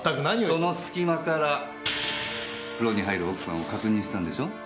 そのすき間から風呂に入る奥さんを確認したんでしょ？